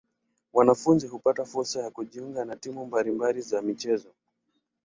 Wanafunzi hupata fursa ya kujiunga na timu mbali mbali za michezo.